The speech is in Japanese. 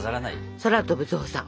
「空飛ぶゾウさん」